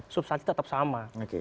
substansi tetap sama